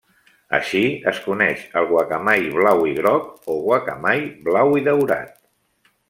Així, es coneix el guacamai blau i groc o guacamai blau i daurat.